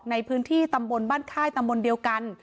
ในพื้นที่ตำบลบ้านค่ายตำบลเดียวกัน